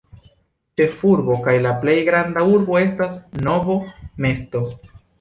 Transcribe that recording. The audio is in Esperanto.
Ĉefurbo kaj la plej granda urbo estas Novo mesto.